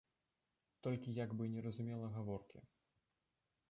Толькі як бы не разумела гаворкі.